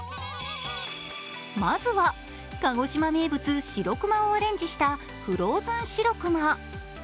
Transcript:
まずは、鹿児島名物、しろくまをアレンジしたフローズンしろくま。